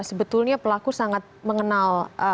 sebetulnya pelaku sangat mengenal